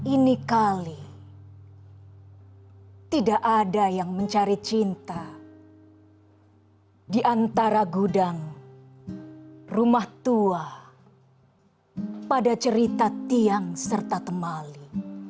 ini kali tidak ada yang mencari cinta di antara gudang rumah tua pada cerita tiang serta temali